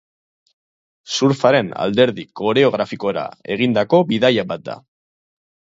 Surfaren alderdi koreografikora egindako bidaia bat da.